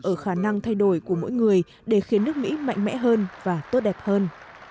ở khả năng thay đổi của mỗi người để khiến nước mỹ mạnh mẽ hơn và tốt đẹp hơn